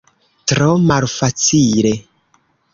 Tro malfacile.